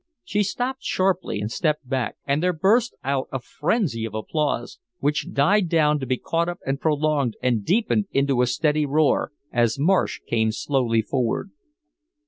She stopped sharply and stepped back, and there burst out a frenzy of applause, which died down to be caught up and prolonged and deepened into a steady roar, as Marsh came slowly forward.